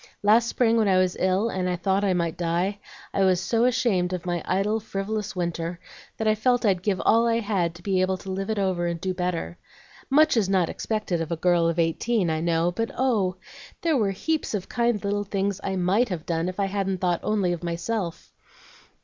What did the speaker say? Last spring, when I was ill and thought I might die, I was so ashamed of my idle, frivolous winter, that I felt as if I'd give all I had to be able to live it over and do better. Much is not expected of a girl of eighteen, I know; but oh! there were heaps of kind little things I MIGHT have done if I hadn't thought only of myself.